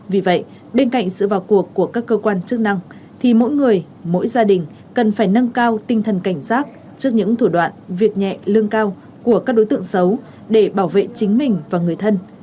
vì vậy bên cạnh sự vào cuộc của các cơ quan chức năng thì mỗi người mỗi gia đình cần phải nâng cao tinh thần cảnh giác trước những thủ đoạn việc nhẹ lương cao của các đối tượng xấu để bảo vệ chính mình và người thân